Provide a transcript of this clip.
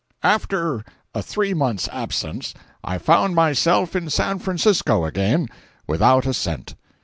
After a three months' absence, I found myself in San Francisco again, without a cent.